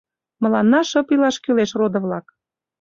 Мыланна шып илаш кӱлеш, родо-влак.